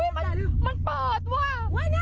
มันเปิดว่ะ